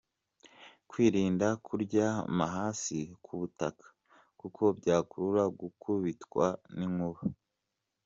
Kwirinda kuryama hasi ku butaka kuko byakurura gukubitwa n’inkuba.